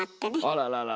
あららら。